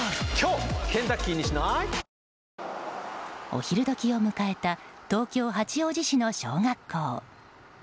お昼時を迎えた東京・八王子市の小学校。